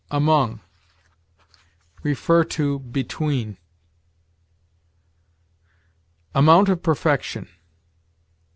AMONG. See BETWEEN. AMOUNT OF PERFECTION.